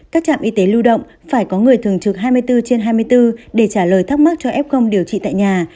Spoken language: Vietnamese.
các trạm y tế lưu động phải có người thường trực hai mươi bốn trên hai mươi bốn để trả lời thắc mắc cho f điều trị tại nhà